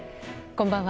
こんばんは。